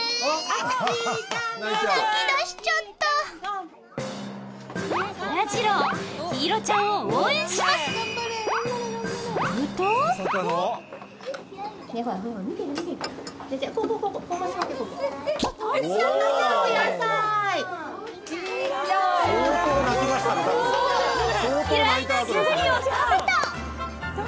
泣き出しちゃったそらジロー陽彩ちゃんを応援しますすると嫌いなキュウリを食べた！